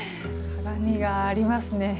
鏡がありますね。